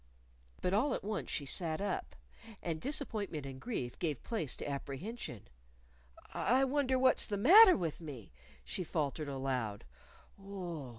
But all at once she sat up. And disappointment and grief gave place to apprehension. "I wonder what's the matter with me," she faltered aloud.